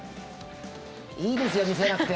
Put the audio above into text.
いいですよ、見せなくて！